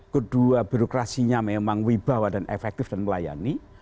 kedua birokrasinya memang wibawa dan efektif dan melayani